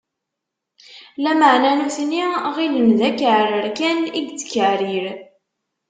Lameɛna, nutni ɣilen d akeɛrer kan i yettkeɛrir.